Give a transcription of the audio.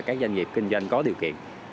các doanh nghiệp kinh doanh có điều kiện